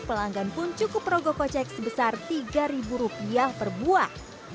kalangan pun cukup rogo kocek sebesar tiga ribu rupiah per buah